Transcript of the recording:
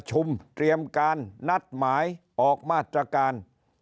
เตรียมการนัดหมายออกมาตรการ